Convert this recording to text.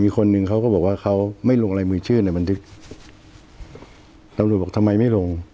คนหนึ่งเขาก็บอกว่าเขาไม่ลงลายมือชื่อในบันทึกตำรวจบอกทำไมไม่ลง